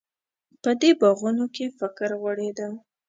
په دې باغونو کې فکر غوړېده.